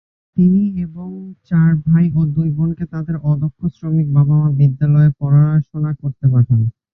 তিনি এবং চার ভাই ও দুই বোনকে তাদের অদক্ষ শ্রমিক বাবা -মা বিদ্যালয়ে পড়াশোনা করতে পাঠান।